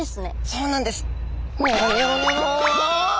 そうなんです。